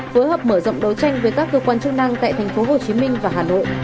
phối hợp mở rộng đấu tranh với các cơ quan chức năng tại tp hcm và hà nội